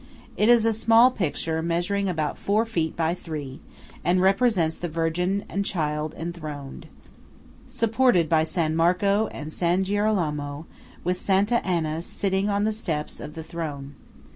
It is a small picture measuring about four feet by three, and represents the Virgin and Child enthroned, supported by San Marco and San Girolamo, with Santa Anna sitting on the steps of the throne.